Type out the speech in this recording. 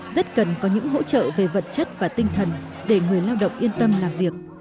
rất cần có những hỗ trợ về vật chất và tinh thần để người lao động yên tâm làm việc